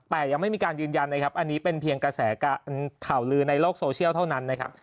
แต่ยังไม่มีการยืนยันนะครับอันนี้เป็นเพียงกระแสข่าวลือในโลกโซเชียลเท่านั้นนะครับ